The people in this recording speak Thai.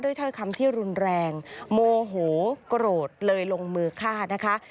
ถ้อยคำที่รุนแรงโมโหโกรธเลยลงมือฆ่านะคะ